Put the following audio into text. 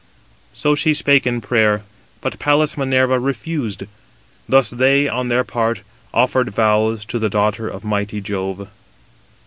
So she spake in prayer, but Pallas Minerva refused. Thus they, on their part, offered vows to the daughter of mighty Jove.